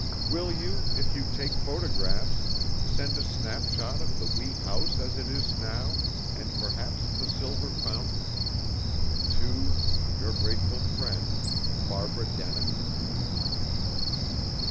Will you, if you take photographs, send a snapshot of the wee house as it is now, and perhaps the silver fountain, to Your grateful friend, Barbara Denin?